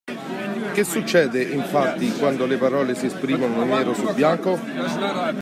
Che succede, infatti, quando le parole si esprimono nero su bianco?